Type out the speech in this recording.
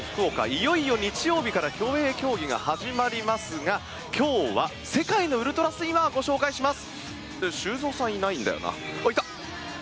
いよいよ日曜日から競泳競技が始まりますが今日は世界のウルトラスイマーをご紹介します！